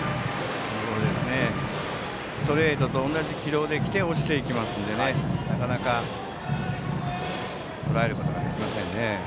ストレートと同じ軌道で落ちていきますのでなかなかとらえることができませんね。